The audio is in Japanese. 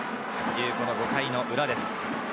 ５回裏です。